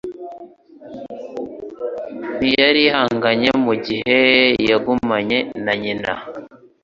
Ntiyarihanganye mugihe yagumanye na nyina?